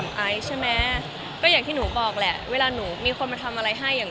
ถ้าถามไอ้ก็อย่างที่หนูบอกแหละเวลาหนูมีคนมาทำอะไรให้